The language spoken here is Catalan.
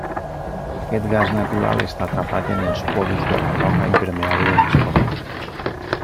Aquest gas natural està atrapat en els porus de la roca impermeable on es forma.